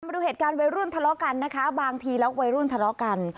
ดูเหตุการณ์วัยรุ่นทะเลาะกันนะคะบางทีแล้ววัยรุ่นทะเลาะกัน